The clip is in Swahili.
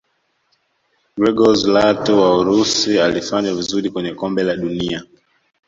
gregorz lato wa urusi alifanya vizuri kwenye kombe la dunia